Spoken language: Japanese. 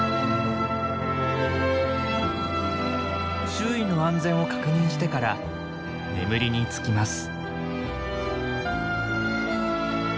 周囲の安全を確認してから眠りにつきます。